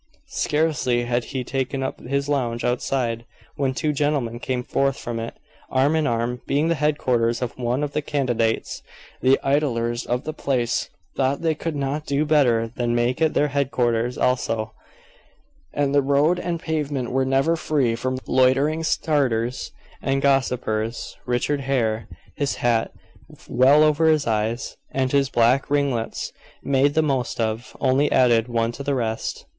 Scarcely had he taken up his lounge outside, when two gentlemen came forth from it, arm in arm. Being the headquarters of one of the candidates, the idlers of the place thought they could not do better than make it their headquarters also, and the road and pavement were never free from loitering starers and gossipers. Richard Hare, his hat well over his eyes, and his black ringlets made the most of, only added one to the rest.